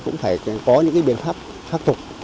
cũng phải có những biện pháp phát tục